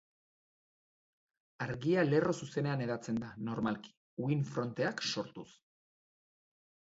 Argia lerro zuzenean hedatzen da, normalki, uhin-fronteak sortuz.